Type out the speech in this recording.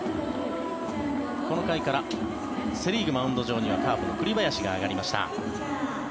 この回からセ・リーグマウンド上にはカープの栗林が上がりました。